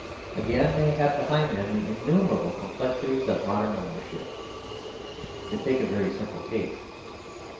Again, they have behind them the innumerable complexities of modern own ership. To take a very simple case.